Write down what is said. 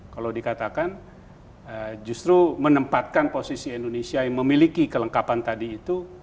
kalau dikatakan justru menempatkan posisi indonesia yang memiliki kelengkapan tadi itu